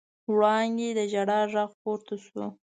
وړانګې د ژړا غږ پورته شو.